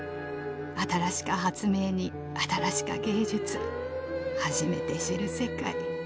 新しか発明に新しか芸術初めて知る世界。